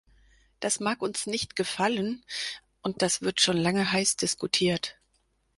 Das mag uns nicht gefallen, und das wird schon lange heiß diskutiert.